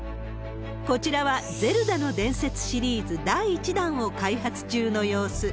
こちらは、ゼルダの伝説シリーズ第１弾を開発中の様子。